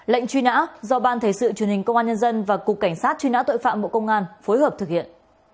lệnh truy nã do ban thể sự truyền hình công an nhân dân và cục cảnh sát truy nã tội phạm bộ công an phối hợp thực hiện